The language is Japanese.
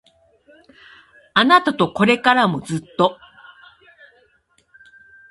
あなたとこれからもずっと